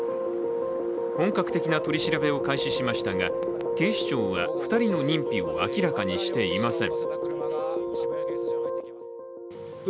本格的な取り調べを開始しましたが警視庁は２人の認否を明らかにしていません。